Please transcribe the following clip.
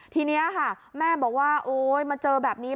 ทีนี้ค่ะแม่บอกว่าโอ๊ยมาเจอแบบนี้